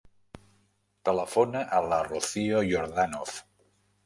Telefona a la Rocío Yordanov.